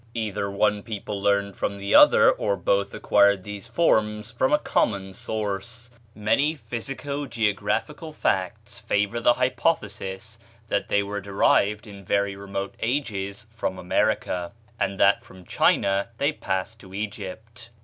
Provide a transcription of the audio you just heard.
Either one people learned from the other, or both acquired these forms from a common source. Many physico geographical facts favor the hypothesis that they were derived in very remote ages from America, and that from China they passed to Egypt.